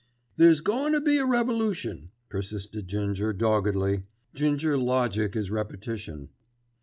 "There's goin' to be a revolution," persisted Ginger doggedly. Ginger logic is repetition.